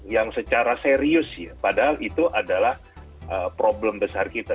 yang secara serius padahal itu adalah problem besar kita